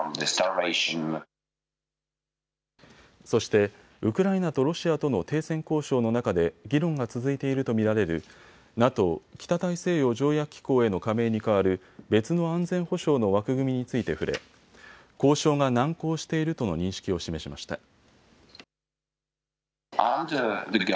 そして、ウクライナとロシアとの停戦交渉の中で議論が続いていると見られるＮＡＴＯ・北大西洋条約機構への加盟に代わる別の安全保障の枠組みについて触れ交渉が難航しているとの認識を示しました。